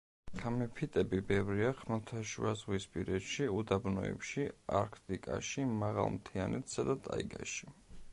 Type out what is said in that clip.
ქამეფიტები ბევრია ხმელთაშუაზღვისპირეთში, უდაბნოებში, არქტიკაში, მაღალ მთიანეთსა და ტაიგაში.